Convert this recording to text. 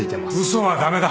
嘘は駄目だ。